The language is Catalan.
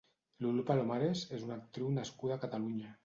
Lulú Palomares és una actriu nascuda a Catalunya.